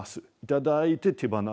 頂いて手放す。